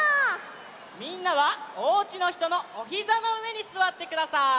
みんなはおうちのひとのおひざのうえにすわってください。